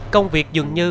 công việc dường như